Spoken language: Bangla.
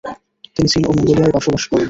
তিনি চীন ও মঙ্গোলিয়ায় বসবাস করেন।